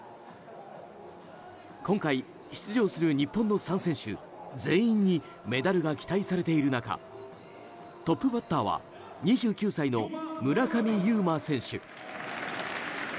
今回出場する日本の３選手全員にメダルが期待されている中トップバッターは２９歳の村上右磨選手。